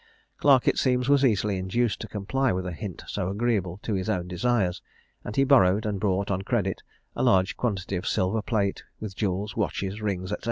Clarke, it seems, was easily induced to comply with a hint so agreeable to his own desires; and he borrowed, and bought on credit, a large quantity of silver plate, with jewels, watches, rings, &c.